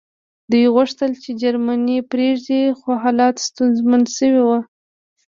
دوی غوښتل چې جرمني پرېږدي خو حالات ستونزمن شوي وو